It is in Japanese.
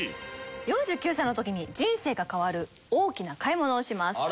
４９歳の時に人生が変わる大きな買い物をします。